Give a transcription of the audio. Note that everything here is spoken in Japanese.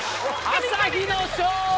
「朝日」の勝利！